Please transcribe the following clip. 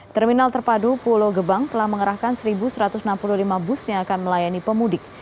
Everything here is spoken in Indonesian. terminal terpadu pulau gebang telah mengerahkan satu satu ratus enam puluh lima bus yang akan melayani pemudik